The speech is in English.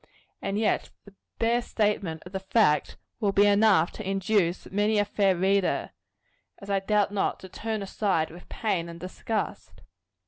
And yet the bare statement of the fact, will be enough to induce many a fair reader, as I doubt not, to turn aside with pain and disgust.